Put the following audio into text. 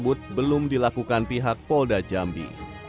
belum dilakukan pihak polda jambi